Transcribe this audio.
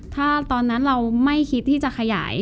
ถ้าตอนนั้นเราไม่คิดที่จะขยาย